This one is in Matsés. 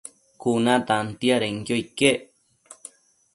Cuna tantiadenquio iquec